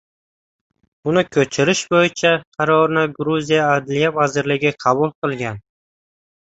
Uni ko‘chirish bo‘yicha qarorni Gruziya Adliya vazirligi qabul qilgan